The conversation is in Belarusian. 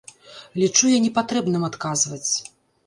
Лічу я непатрэбным адказваць!